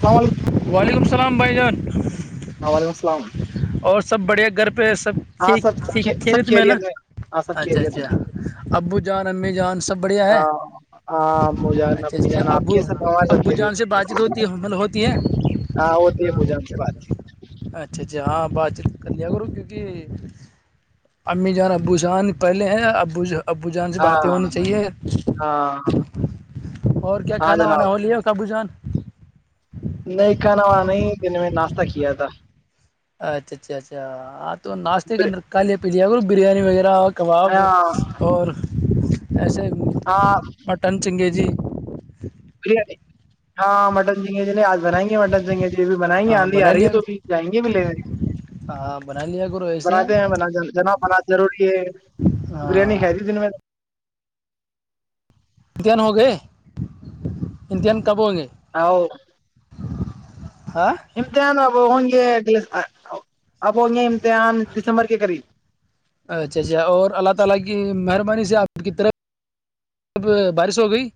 السلام علیکم وعلیکم السلام بھائی جان ہ وعلیکم السلام اور سب بڑے گھر پہ ہاں سب سب سبیکھیے ت نا خیریت میں ہاں سب اچھا خیریت اچھا میں ابو جان امی جان سب بڑھیا ہے ہ ہاں مجان اچھا ابو اس کیا جان آپ ابو کے سب ہمارے سب ابو خیریت جان سے بات چیت ہوتی حمل ہوتی ہے ہاں ہوتی ہے مجان سے بات چیت اچھا اچھا ہاں بعد چ کر لیا کرو کیونکہ امی جان ابو جان پہلے ہیں ابو جان ابو جان سے باتیں ہاں ہونی چاہیے ہاں اور کیا ہاں کھانا جناب وانا ہو رہ ہے کاابو جان نہیں کھانا وانا نہیں نے میں نے ناشتہ کیا تھا اچھا اچھا اچھا ہاں تو ناشتے کے بر- اندر کالے ب یہیا کو بریانی وغیرہ کباب ہاں اور ایسے ہاں جی بریانی ہاں مٹن جن بنائیں گے مٹن چنگ جی بھی بنائیں گے ہاں آندھی آ بنا رہی ہے لیا تو پ جائیں گے بھی لے ہاں بنا لیا کرو ایسے بناتے ہیں ب جنا بنات ضور یہ ہاں بریانی کھائی ت دن میں امتحان ہو گئے امتحان کب ہوں گے ہ ہاں ہم ت آ نا اب ہوں گے امتحان دسمبر کے قریب اچھا اچھا اور اللہ تعالی کی مہربانی سے آپ کی طرف بارش ہو گئی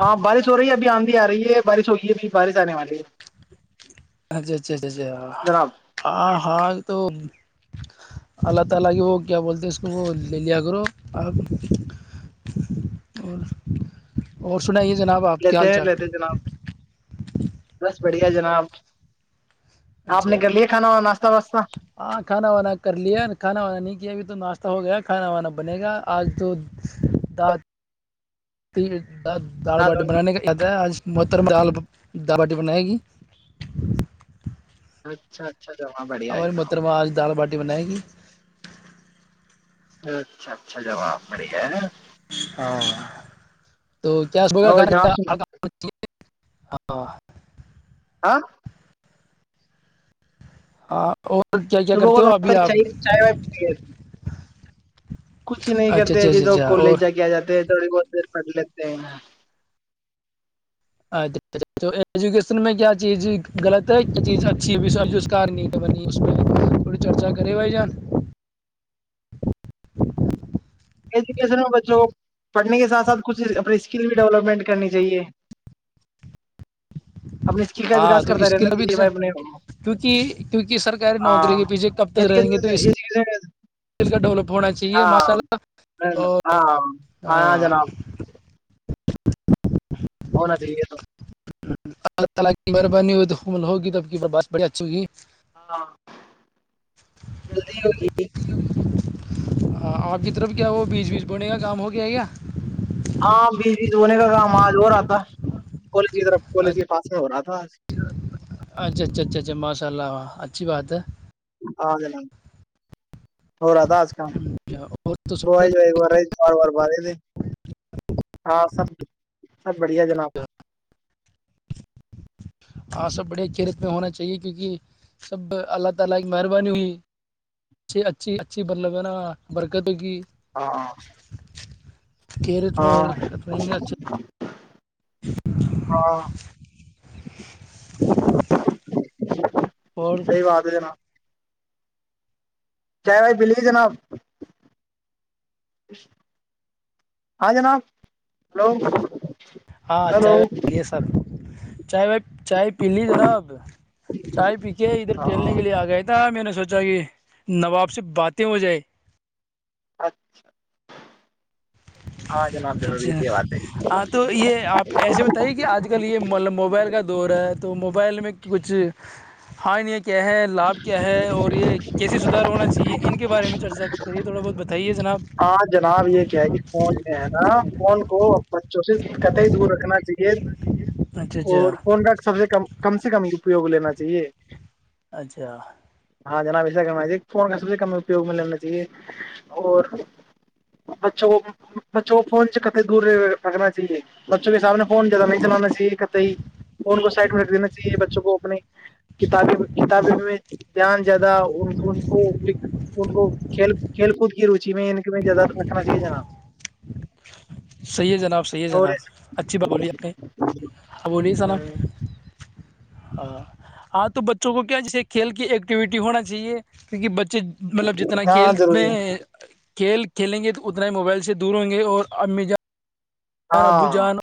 ہاں بارش ہو رہی ہے ابھی آندھی آ رہی ہے بارش ہوگئی ہے ابھی بارش آنے والی ہے اچھا اچھا اچھا اچھا جناب آ ہال تو اللہ تعالی کی وہ کیا بولتے ہیں اس کو وہ لے لیا کرو آپ اور اور سنا یہ لیتے ہیں لیتے جناب بس بڑھیا جناب آپ نے اچھا کر لیا کھانا اور ناشتہ واشتہ ہاں کھانا وانا کر لیا کھانا وانا نہیں کیا ابھی تو تو ناشتہ ہو گیا کھانا وانا بنے گا آج تو د تی دال باٹی بنانے کا آیاد ہے آج متر دال د باٹی بنائے گی اچھا جناب بڑھیا ہے ہماری متر جناب میں آج دال باٹی رٹی بنائے گ اچھا اچھا جواب بڑی ہے تو کیا اور جناب کھانے سنا ا ہاں ہاں اور کیا کیا صبح کو کرتے ہو ابھی چ آپ چائے وائے پ کچھ ہی نہیں اچھا کرتے اچھا ابھی اچھا تو اچھا کالج اور جا کے آ جاتے ہیں تھوڑی بہت دیر پڑ لیتے ہیں ن اچھ ایجوکیشن میں کیا چیز غلط ہے کیا چیز اچھی ہےکار بنی اس پہ تھڑی چرچا کرے بھائی جان ایجوکیشن میں بچوں کو پڑھنے کے ساتھ ساتھ کچھ اپنی اسکل بھی ڈیولپمنٹ کرنی چاہیے اپنی اسکل کا ہاں وکاس تو کرتا رہنا اسکل بھی چاہیے بھائی اپنے کیکہ کیونکہ سرکاری ہاں نوکری کے پیچھے کب تک رہیں گے تو ایجوکیشن ایجوکیشن اسک کا ڈیولپ ہونا چاہیے ماشاء اللہ ہ اور ہاں ہاں ہاں جناب ہونا دے تو اللہ تعالی کی مہربانی ہوئی تومل ہوگی تب کی بات بڑی اچھی ہوگی ہاں جلدی ہوگی آپ کی طرف کیا ہو بیج بیج بڑنے کا کام ہو گیا ہے کیا ہاں بیچ بیچ ہونے کا کام آج ہو رہا تھا کالج کی طرف کالج کے پاس میں ہو رہا تھا اچھا اچھا اچھا اچھا ماشاء اللہ اھ اچھی بات ہے ہاں ج ن ہو رہا تھا آج کل اور تو ب سب رہے چار بار ب رہے تھے ہاں سب سب بڑھیا جناب ہاں سب بڑے کییرت میں ہونا چاہیے کیونکہ سب اللہ تعالی کی مہربانی ہوئی ا اچھی اچھی بدلب برکتوں کی ہاں ہ کھیرت میں ہاں اور رہیں گے اچھے ہاں اور صحی بات ہے ہے نا چائے وائے ملیے جناب ہاں جناب ہلو ہاں اچھا ہلو ہے سر چائے و چائے پی لی جناب چائے پی کے ادھر ٹھیلنے ہاں کے لیے آ گیا تھا میں نے سوچا کہ نواب سے باتیں ہو جائے اچھا اچھا ہے ہاں تو یہ آپ ایسے بتائیے کہ آج کل یہ موبائل کا دور ہے تو موبائل میں کچھ ہاں نہیں کیا ہے لابھ کیا ہے اور یہ کیسے سدار ہونا چاہیے ان کے بارے میں چرچا کریے تھوڑا بہت بتائیے جناب ہو ج نا کوون کو بچوں سے کت ہی دور رکھنا چاہیے اچھا اچھا اور کون کاا سبز کام کم سے کم یہ اپیوگ لینا چاہیے اچھا ہاں جناب ایسا کرنا چاہی فون کا سب سے کم اپوگ میں لینا چاہیے اور بچوں کو بچوں کو فون سے کتے دور پکنا چاہیے بچوں کے سامنے فون زیادہ نہیں چلانا چ کت فون کو سائڈ مٹ دا چاہیے بچوں کو اپنے کتابیں کتابیں میں دھیان زیادہ ان کو ان کو کل کھیل کود کی روچی میں ان زیادہ رکھنا چاہیے جناب صحیح ہے جناب صحیح ہے اور جناب اچھی بات بولیے اپ نے ا بولیے سناب ہاں ہاں تو بچوں کو کیا جیسے کھیل کی ایکٹیویٹی ہونا چاہیے کیونکہ بچ مطلب جتنا ہاں کھیل ضروری میں ہے کھیل کھیلیں گے تو اتنا ہی موبائل سے دور ہوں گے اور اب میں جان ج ابو ہاں جانو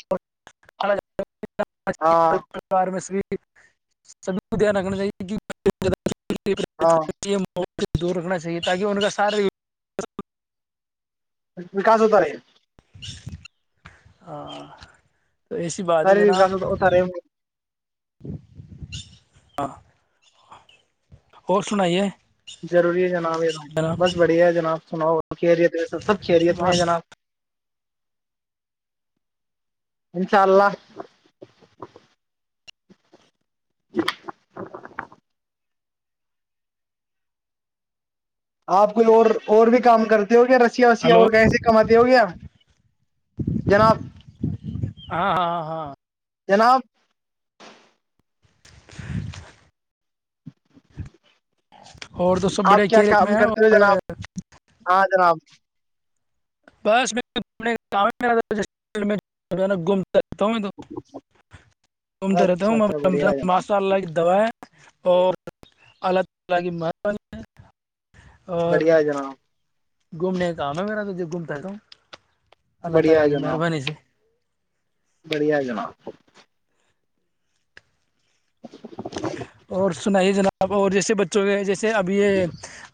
ہاں الگا ار میںس بھی ٹھ سبھی کو دھیان رکھنا چاہیے کہ ہاں تی م دور رکھنا چاہیے تاکہ ان کا سار کاس ہوتا رہے ہ ساری وکاس ہو تو اتا رہ ہے ہاں اور سنائیے روری ہے جناب ایک دم جناب بس بڑھیا ہے جناب سناو خیریت ہے سب سب خیریت میں ہے جناب انشاء اللہ ج آپ کوئی اور اور بھی کام کرتے ہو گیا رسییا وسییا ہلو اور کہیں سے کماتے ہو گیا جناب ہاں ہاں ہاں جناب ہ اور تو سب بڑے آپ کیا کیریت میں کام ہے کرتے ہو جناب اور ہاں جناب بس میں اان گم رہتا ہوں میں تو گھومتا رہتا اچھا ہوں اچھا بڑھیا ہے جناب ماشاء اللہ کی دوائیں اور اللہ تعالی کی مرب اور بڑھیا ہے جناب گھومنے کام ہے میرا تو ج گھومتا ہے تو [unintelligible] بڑھیا ہے جناب بڑھیا ہے جناب [unintelligible] اور سنائیے جناب اور جیسے بچوں کے جیسے [unintelligible] سے ابھی یہ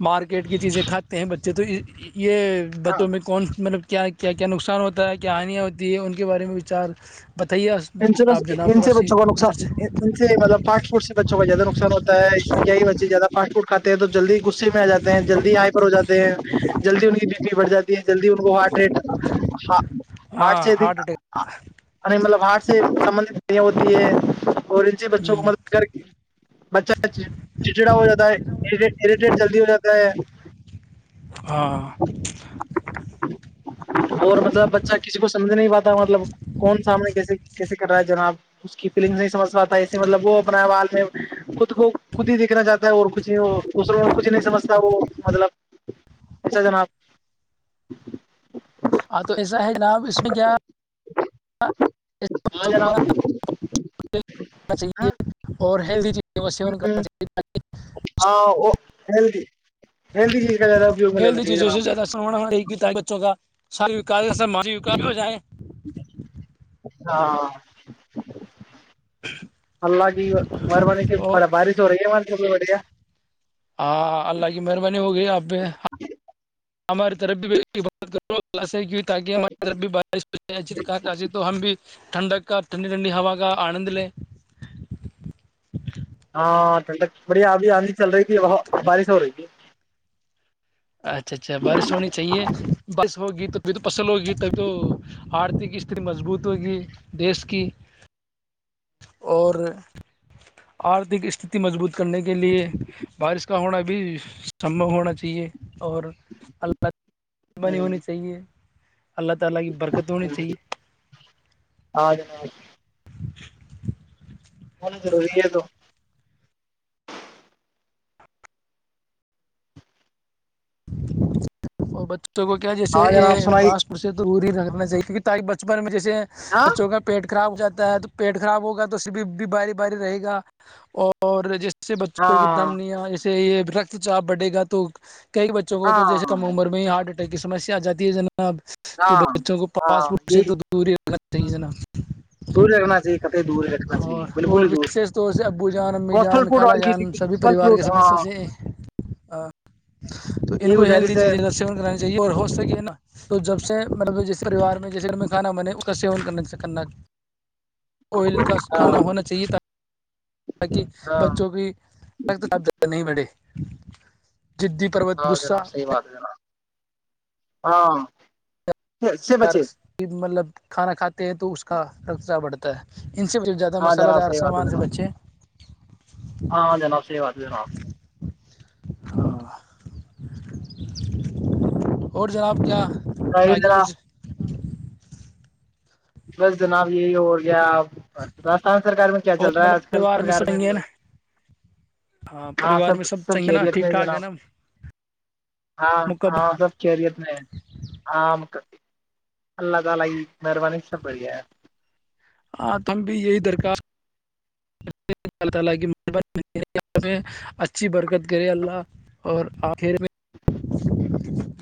مارکیٹ کی چیزیں کھاتے ہیں بچے تو [unintelligible] ج [unintelligible] یہ ہاں بتوں میں کون مطلب کیا [unintelligible] کیا کیا نقصان ہوتا ہے کیا ہانیاں ہوتی ہے ان کے بارے میں وچار [unintelligible] بتائیے انس آپ جناب ان تھوڑا سے سی بچوں کو سے۔ نقصانطلب پ ف سے ب [unintelligible] اس کا زیاہ نقصان ہوتا ہے [unintelligible] سنچے زدہاسٹ [unintelligible] کاتے ہیں تو جلدی غصے میں آ جاتے ہیں جلدی آاں پر ہو جاتے ہیں جلدی ان کی [unintelligible] پڑ جاتی جلدی ان کو ہارٹ [unintelligible] ہ آٹ ہاں سے ہارٹ اٹیک [unintelligible] مطلب ہ سے سب ہوتی ہے [unintelligible] اور ان سے بچوں کو مدد کر کے بچہ چچا ہو جاتا ہےریٹیٹ جلدی ہو جاتا ہے [unintelligible] ہاں اور مطلب بچہ کسی کو سمجھ نہیں پاتا مطلب کون سامنے کیسے کیسے کر رہا ہے جناب [unintelligible] اس کی فیلنگ نہیں سجھ پاتا ہے [unintelligible] مطلب وہ اپناال میں خود کو خود ہی دیکھنا چاہتا ہے اور کچھ دوسروں کچھ نہیں سمجھتا وہ مطلب [unintelligible] اچھا جناب [unintelligible] ہاں تو ایسا ہے جناب اس میں کیا ہاں جناب چاہے ہاں اور [unintelligible] لدی [unintelligible] د وہ سیونن کرنا چاہیے [unintelligible] ہی [unintelligible] ہیلدی چیزوں سے جناب زیادہ ستا بچوں کا [unintelligible] ساری و ہو جائے [unintelligible] ہاں [unintelligible] اللہ جی مہربانی سے اور بڑا بارش ہو رہی ہے ماں [unintelligible] چ بڑیا [unintelligible] ہاں اللہ کی مہربانی ہوگئی آپ بھی [unintelligible] ہماراری طرف بھی بات کرو کی [unintelligible] تاکہ ہماری بھی بارش ہو تو ہم بھی ٹھڈک کا ٹنڈی ٹھنڈی ہوا کا [unintelligible] آنند لے ہاں ٹھنڈک بڑھیا ابھی آندھی چل رہی تھی بت بارش ہو رہی تھی اچھا اچھا بارش ہونی چاہیے بارش ہوگی تو م تو پس لو گی تب تو آرتک اتنی مضبوط ہوگی دیش کی اور آرتھک استھھی مضبوط کرنے کے لیے بارش کا ہونا بھی بھی سمبھو ہونا چاہیے اور اللہ مہربانی ہونی چاہیے اللہ تعالی کی برکت ہونی چاہیے ہاں جناب ہونا ضروری ہے تو اور بچوں تو وہ کیا جیسے ہاں جناب ا سنائی پاس پ سے توور ہی رہ نا چاہے کیونکہ ت بچپن میں ب ہاں چوں کاا پیٹ کے خراب ہو جاتا ہے تو پیٹ خراب ہوگا تو اس بھی بھی باری باری رہے گا اور جیسے اس سے بچوں کی دم ہاں نہیںیا اس یہ رکت چاپ بڑھے گا تو کئی بچوں کو تو جیسے ہاں کمر میں ہی ہارڈ سم آ جاتیہ جن ا تو ہاں بچوں کو ہاں پاسپورٹ سے یہی تو دوری صحی ہے نا دور رکھنا چاہیے قطعی دور رکھنا چاہیے اور بالکل اور ہی دور وشش طور سے ابو جان امی اور پھل جان فروٹ خالا والی چیز جان سبھی پھل پریوار فروٹ کے سدسوں ہاں سے تو ان یہ کو ہیلدی گزارش ہے چیزیں سیون کرا چاہیے اور ہو سکے نا تو جب اس سے مطلب جس پریوار میں جیسے ہم میں کھانا بنے اس کا سیون کرنا کرنا آئل کا ہاں کھانا ہونا چاہیے ت ہاں بچوں کی س زیادہ نہیں بھے جدی پروت ہاں غصہ جناب صحیح بات ہے جناب ہاں اس سے بچے گ مطلب کھانا کھاتے ہیں تو اس کا رقچہ بڑھتا ہے ان سے زیادہ ہاں مصالحہ دار سامان سے بچے ہاںاں جناب صحیح بات ہے جناب ہ اور جناب کیا اور یہ آگے کچھ جناب بس جناب یہی ہو گیا اب راجستھان سرکار میں کیا چل اور رہا ہے مطلب آج کل پریوار سرکار سب میں چنگے ہے نا ہاں پریوار میں سب سب چنگے نا خیریت ٹھیک میں ٹھاک ہے جناب نا ہاں مکب ہاں سب خیریت میں آ اللہ تعالی مہربانی سب بڑھیا ہے ہاں تم بھی یہی درخواست تعالی کی اچھی برکت کرے اللہ اور آخر میں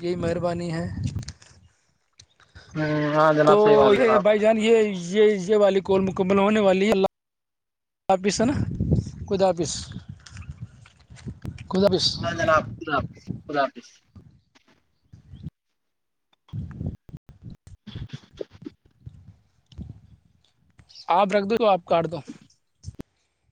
یہی مہربانی ہے ہاں تو جناب صحیح بات ہے یہ جناب بھائی جان یہ یہ یہ والی کول مکمل ہونے والی ہے اللہ آفس ہے نا خد آفس ہاں جناب خدپ خدپ بس آپ رکھ دو تو آپ کاٹ دو